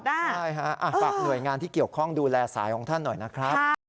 ได้ฮะฝากหน่วยงานที่เกี่ยวข้องดูแลสายของท่านหน่อยนะครับ